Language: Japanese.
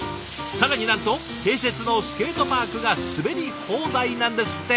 更になんと併設のスケートパークが滑り放題なんですって。